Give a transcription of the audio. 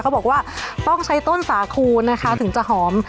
บอกว่าต้องใช้ต้นสาคูนะคะถึงจะหอม